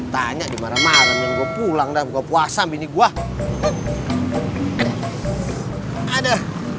tanya di marah marah minggu pulang dah puasa bini gua ada